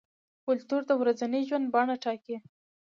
کلتور د ورځني ژوند بڼه ټاکي.